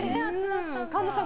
神田さん